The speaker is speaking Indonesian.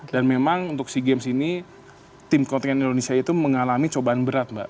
dan memang untuk sea games ini tim kontingen indonesia itu mengalami cobaan berat mbak